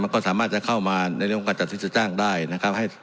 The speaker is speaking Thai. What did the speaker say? ก็สามารถจะเข้ามาเป็นน่ายตรงการจัดสิทธิฬาจ้างได้นะครับ